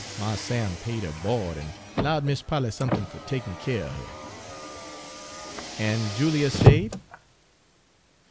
Mars Sam paid her bo'd an' 'lowed Mis' Polly somethin' fer takin' keer er her." "And Julia stayed?"